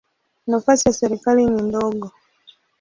Nafasi ya serikali ni ndogo.